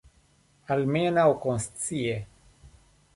Almenaŭ konscie.